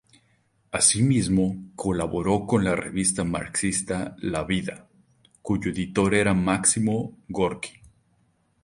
Así mismo, colaboró con la revista marxista La vida, cuyo editor era Máximo Gorki.